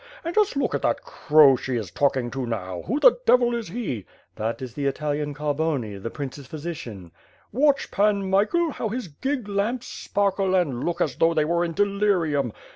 And just look at that crow she is taiking to now. Who the devil is he?" "That is the Italian Carboni, the prince's physician." "Watch, Pan Michael, how his gig lamps sparkle and look as though they were in delirium.